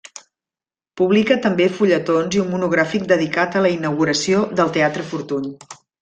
Publica també fulletons i un monogràfic dedicat a la inauguració del Teatre Fortuny.